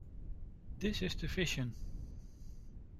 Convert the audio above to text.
This is the vision!